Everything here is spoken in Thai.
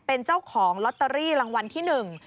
เป็นเจ้าของลอตเตอรี่รางวัลที่หนึ่ง